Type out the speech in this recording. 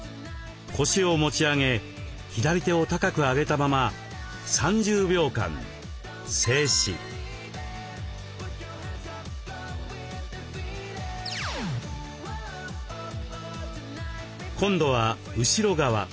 腰を持ち上げ左手を高く上げたまま今度は後ろ側。